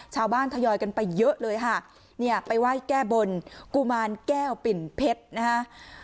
ทยอยกันไปเยอะเลยค่ะเนี่ยไปไหว้แก้บนกุมารแก้วปิ่นเพชรนะฮะ